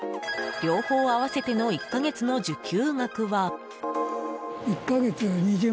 両方合わせての１か月の受給額は。